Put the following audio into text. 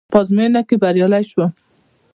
په ازموينه کې بريالی شوم.